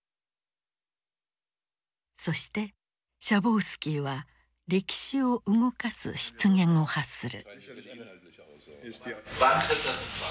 そしてシャボウスキーは歴史を動かす失言を発する。